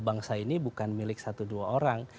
bangsa ini bukan milik satu dua orang